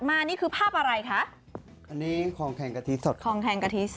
มานี่คือภาพอะไรคะ